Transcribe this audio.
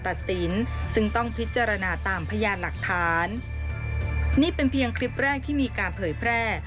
ซึ่งต้องพิจารณาตามพยานหลักฐานนี่เป็นเพียงคลิปแรกที่มีการเผยแพร่